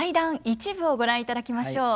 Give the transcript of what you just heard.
一部をご覧いただきましょう。